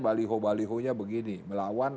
baliho balihonya begini melawan